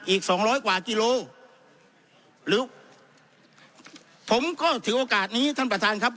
อีกสองร้อยกว่ากิโลหรือผมก็ถือโอกาสนี้ท่านประธานครับ